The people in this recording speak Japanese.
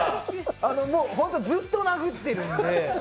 ずっと殴ってるんで。